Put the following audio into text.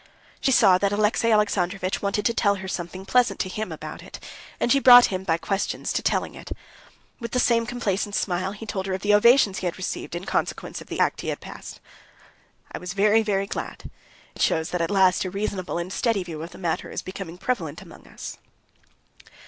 She saw that Alexey Alexandrovitch wanted to tell her something pleasant to him about it, and she brought him by questions to telling it. With the same complacent smile he told her of the ovations he had received in consequence of the act he had passed. "I was very, very glad. It shows that at last a reasonable and steady view of the matter is becoming prevalent among us."